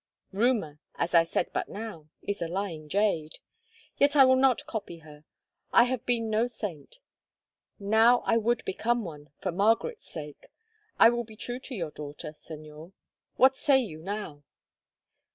Rumour, as I said but now, is a lying jade. Yet I will not copy her. I have been no saint. Now I would become one, for Margaret's sake. I will be true to your daughter, Señor. What say you now?"